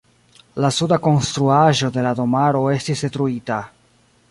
La suda konstruaĵo de la domaro estis detruita.